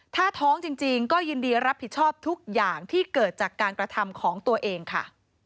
ถ้าท้องจริงก็ยินดีรับผิดชอบทุกอย่างที่เกิดจากการกระทำของตัวเองค่ะ